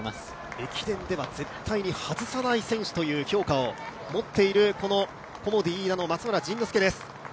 駅伝では絶対に外さない選手という評価を持っているコモディイイダの松村陣之助です。